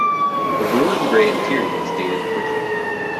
The blue and grey interiors dated quickly.